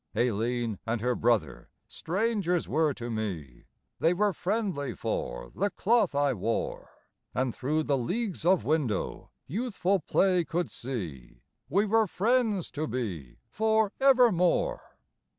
Aileen and her brother, strangers were to me; They were friendly for the cloth I wore; And through leagues of window, youthful play could see We were friends to be for evermore.